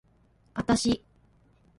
あたし